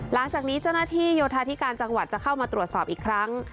หลังจากนี้เจ้าหน้าที่โยธาธิการจังหวัดจะเข้ามาตรวจสอบอีกครั้ง